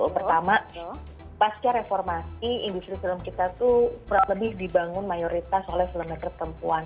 pertama pasca reformasi industri film kita itu lebih dibangun mayoritas oleh film film ketempuan